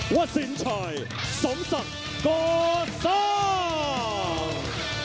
วัดสินชายสมศักรณ์ก่อสร้าง